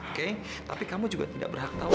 oke tapi kamu juga tidak berhak tahu